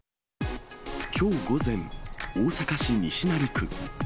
きょう午前、大阪市西成区。